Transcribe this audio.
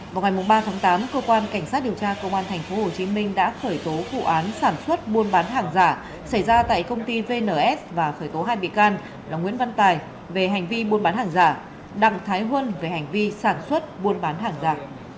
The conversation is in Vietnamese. vào ngày ba tháng tám cơ quan cảnh sát điều tra công an tp hcm đã khởi tố vụ án sản xuất buôn bán hàng giả xảy ra tại công ty vns và khởi tố hai bị can là nguyễn văn tài về hành vi buôn bán hàng giả đặng thái huân về hành vi sản xuất buôn bán hàng giả